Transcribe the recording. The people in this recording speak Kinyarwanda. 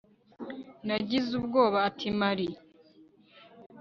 Nagize ubwoba Ati Marie